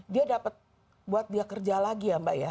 dia dapat buat dia kerja lagi ya mbak ya